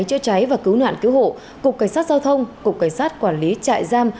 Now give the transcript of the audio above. cục cảnh sát chữa cháy và cứu nạn cứu hộ cục cảnh sát giao thông cục cảnh sát quản lý trại giam